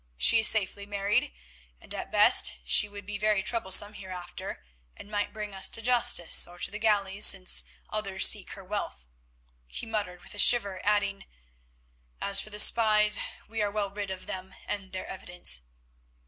She is safely married, and at best she would be very troublesome hereafter, and might bring us to justice or to the galleys since others seek her wealth," he muttered with a shiver, adding, "as for the spies, we are well rid of them and their evidence."